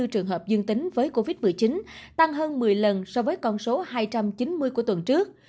hai mươi trường hợp dương tính với covid một mươi chín tăng hơn một mươi lần so với con số hai trăm chín mươi của tuần trước